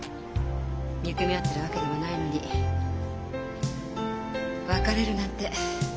憎み合ってるわけでもないのに別れるなんてつらいから。